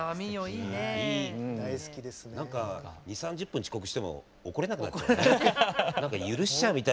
２０３０分遅刻しても怒れなくなっちゃうよね。